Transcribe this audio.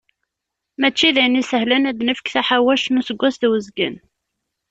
Mačči d ayen isehlen, ad d-nefk taḥawact n useggas d uzgen.